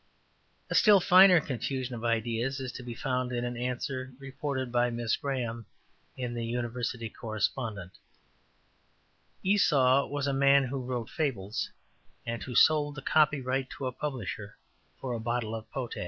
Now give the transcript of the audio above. A still finer confusion of ideas is to be found in an answer reported by Miss Graham in the University Correspondent: ``Esau was a man who wrote fables, and who sold the copyright to a publisher for a bottle of potash.''